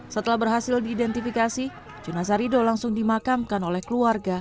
setelah berhasil diidentifikasi jenazah rido langsung dimakamkan oleh keluarga